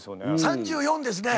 ３４ですね。